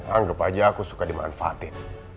anggap aja aku suka dimanfaatin